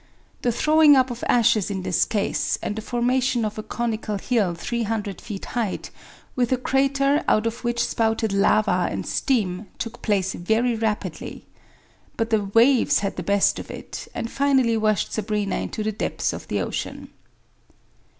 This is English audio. The throwing up of ashes in this case, and the formation of a conical hill 300 feet high, with a crater out of which spouted lava and steam, took place very rapidly. But the waves had the best of it, and finally washed Sabrina into the depths of the ocean.